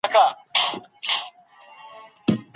د هېواد بهرنیو تګلاره د خلګو اړتیاوي نه پوره کوي.